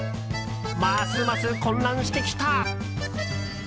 ますます混乱してきた。